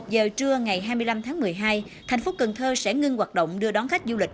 một mươi một giờ trưa ngày hai mươi năm tháng một mươi hai thành phố cần thơ sẽ ngưng hoạt động đưa đón khách du lịch